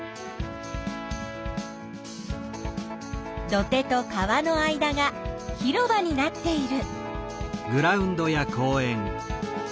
土手と川の間が広場になっている。